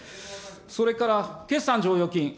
それから決算剰余金。